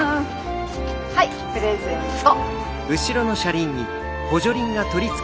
はいプレゼント。